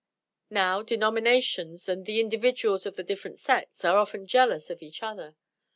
Now, denominations, and the individuals of the different sects, are often jealous of each other.